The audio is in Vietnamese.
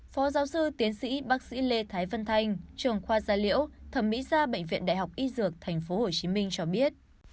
phó giáo sư tiến sĩ bác sĩ lê thái vân thanh trường khoa gia liễu thẩm mỹ gia bệnh viện đại học y dược tp hcm cho biết